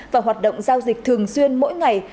và hoạt động giao dịch thường xuyên mỗi ngày